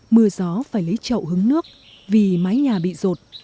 mưa gió phải lấy chậu hứng nước vì mái nhà bị rột